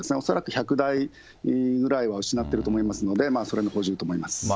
恐らく１００台ぐらいは失ってると思いますので、それの補充だと思います。